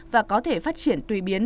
và có thể phát triển tùy biến